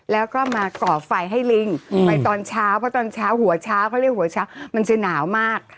แล้วก็มาก่อไฟให้ลิงไปตอนเช้าเพราะตอนเช้าหัวเช้าเขาเรียกหัวเช้ามันจะหนาวมาก